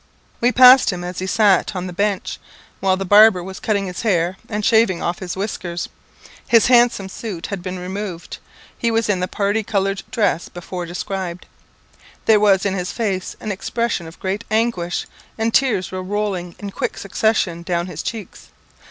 We passed him as he sat on the bench, while the barber was cutting his hair and shaving off his whiskers. His handsome suit had been removed he was in the party coloured dress before described. There was in his face an expression of great anguish, and tears were rolling in quick succession down his cheeks.